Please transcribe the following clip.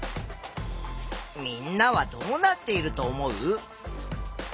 みんなはどうなっていると思う？